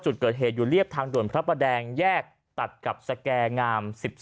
จุดเกิดเหตุอยู่เรียบทางด่วนพระประแดงแยกตัดกับสแก่งาม๑๒